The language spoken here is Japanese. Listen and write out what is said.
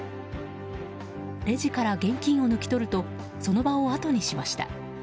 レジから現金を抜き取るとその場をあとにしました。